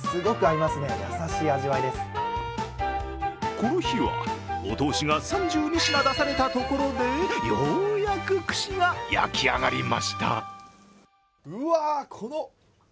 この日はお通しが３２品出されたところでようやく串が焼き上がりました。